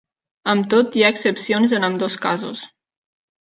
Amb tot, hi ha excepcions en ambdós casos.